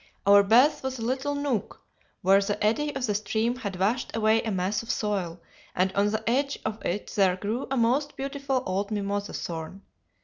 "Our bath was a little nook where the eddy of the stream had washed away a mass of soil, and on the edge of it there grew a most beautiful old mimosa thorn.